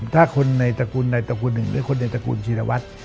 ถ้าคนในตระกูลใดตระกูลหนึ่งหรือคนในตระกูลธีรวัตร